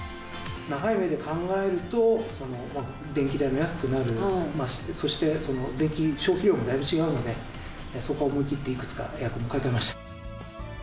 長い目で考えると、電気代も安くなる、そして電気消費量もだいぶ違うので、そこは思い切っていくつかエアコンを買い換えました。